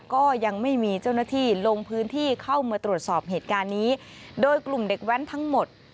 ก็ยังไม่มีเจ้าหน้าที่ลงพื้นที่เข้ามาตรวจสอบเหตุการณ์นี้โดยกลุ่มเด็กแว้นทั้งหมด